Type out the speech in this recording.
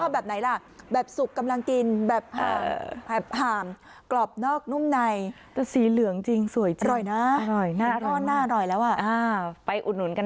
หาแบบไหนล่ะแบบสุกกำลังกินแบบหาแบบหามกรอบนอกนุ่มใน